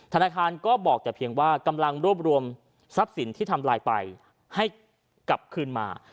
ธนาคารก็บอกแต่เพียงว่ากำลังรวบรวมทรัพย์สินที่ทำลายไปให้กลับคืนมา